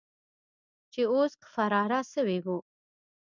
چې اوس فراره سوي وو.